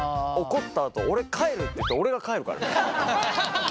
怒ったあと俺帰るって言って俺が帰るからね。